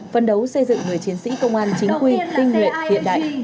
phân đấu xây dựng người chiến sĩ công an chính quy tinh nguyện hiện đại